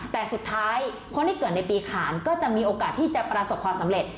แต่สุดท้ายคนที่เกิดในปีขานก็จะมีโอกาสที่จะประสบความสำเร็จ